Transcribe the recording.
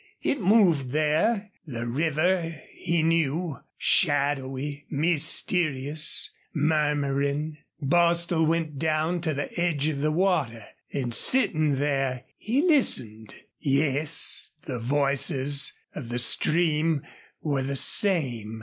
It moved there, the river he knew, shadowy, mysterious, murmuring. Bostil went down to the edge of the water, and, sitting there, he listened. Yes the voices of the stream were the same.